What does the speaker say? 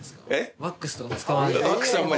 ワックスとかあんま使わない？